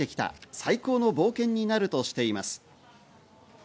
最高の冒険になるとしています。